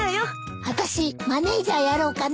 あたしマネジャーやろうかな。